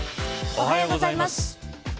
おはようございます。